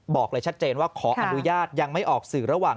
บอกเลยชัดเจนว่าขออนุญาตยังไม่ออกสื่อระหว่าง